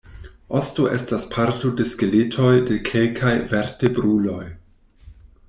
Osto estas parto de skeletoj de kelkaj vertebruloj.